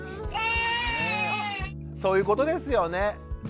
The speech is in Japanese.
そういうことですよね。